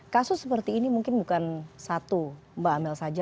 kasus seperti ini mungkin bukan satu mbak amel saja